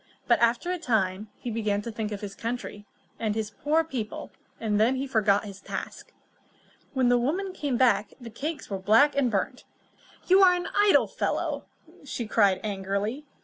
But, after a time, he began to think of his country, and of his poor people, and then he forgot his task. When the woman came back, the cakes were black and burnt. "You are an idle fellow," cried she angrily.